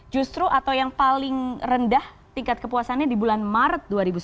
justru atau yang paling rendah tingkat kepuasannya di bulan maret